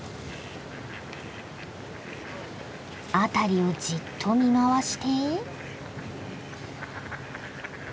辺りをじっと見回して。